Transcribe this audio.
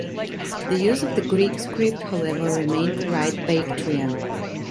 The use of the Greek script however remained to write Bactrian.